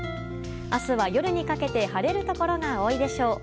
明日は、夜にかけて晴れるところが多いでしょう。